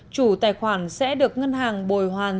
chủ tài khoản sẽ được ngân hàng bồi hoàn